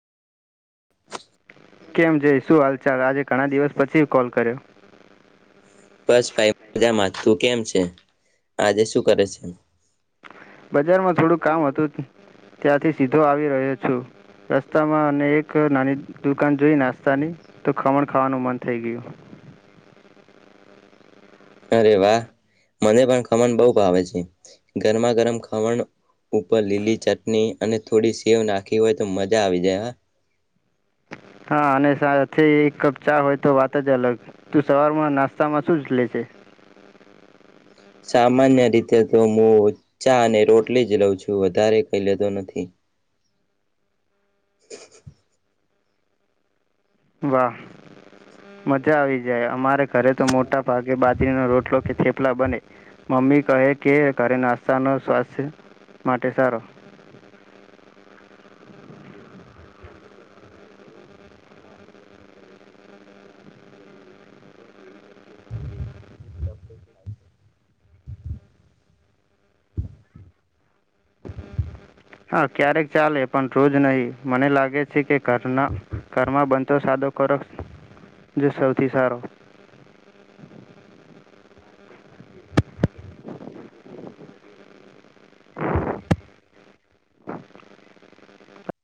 કેમ જઈ શું હાલ ચાલ આજે ઘણા દિવસ પછી કોલ કર્યો બસ ભાઈ મજામાં તું કેમ છે આજે શું કરે છે બજારમાં થોડુંક કામ હતું ત્યાંથી સીધો આવી રહ્યો છું રસ્તામાં અને એક નાની દુકાન જોઈ નાસ્તાની તો ખમણ ખાવાનું મન થઈ ગયું અરે વાહ મને પણ ખમણ બહ ભાવે છે ગરમા ગરમ ખમણ ઉપર લીલી ચટણી અને થોડી સેવ નાખી હોય તો મજા આવી જાય હ હા અને સાથે એક કપ ચા હોય તો વાત જ અલગ તું સવારમાં નાસ્તામાં શું જ લે છે સામાન્ય રીતે તો હું ચા અને રોટલી જ લઉં છું વધારે કહી લેતો નથી વાહ મજા આવી જાય અમારે ઘરે તો મોટા ભાગે બાજરીનો રોટલો કે થેપ ઉપલા બને મમ્મી કહે કે ઘરે નાસ્તાનો સ્વાસ્થ્ય માટે સારો [inaudible] હા ક્યારેક ચાલે પણ રોજ નહીિ મને લાગે છે કે કર્મા બંધ તો સાદો કરો જો સૌથી સારો